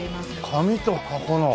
紙と箱の。